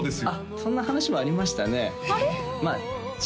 そんな話もありましたねあれ？